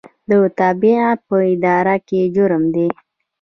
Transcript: تبعیض په اداره کې جرم دی